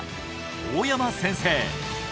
大山先生